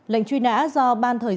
lệnh truy nã do ban thời gian